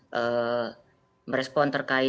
beri pertanyaan terkait